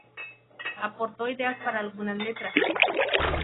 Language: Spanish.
Aporto ideas para algunas letras.